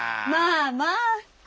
まあまあ。